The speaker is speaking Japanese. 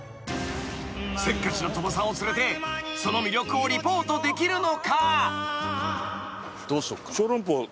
［せっかちな鳥羽さんを連れてその魅力をリポートできるのか？］